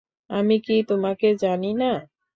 আমি কি তোমাকে জানি না?